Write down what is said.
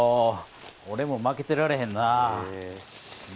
おれも負けてられへんな。